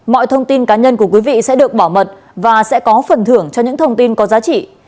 mọi thông tin cá nhân của quý vị sẽ được bảo mật và sẽ có phần thưởng cho những thông tin có giá trị